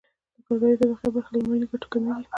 د کارګرې طبقې برخه له ملي ګټو کمېږي